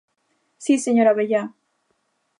Si, señor Abellá.